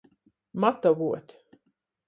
Matavuot.